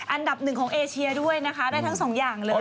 อันดับ๑ของเอเชียด้วยได้ทั้ง๒อย่างเลย